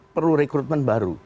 perlu rekrutmen baru